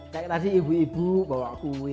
kayak tadi ibu ibu bawa kue